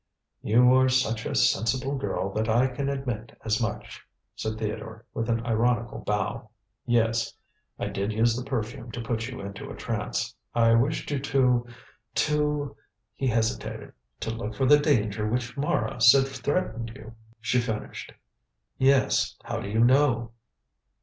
"You are such a sensible girl that I can admit as much," said Theodore, with an ironical bow. "Yes, I did use the perfume to put you into a trance. I wished you to to " He hesitated. "To look for the danger which Mara said threatened you," she finished. "Yes. How do you know?"